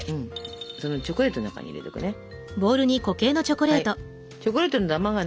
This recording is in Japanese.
そのチョコレートの中に入れていくね。